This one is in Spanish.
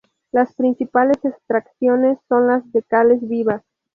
Las principales extracciones son las de cales vivas.